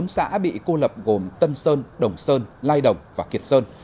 bốn xã bị cô lập gồm tân sơn đồng sơn lai đồng và kiệt sơn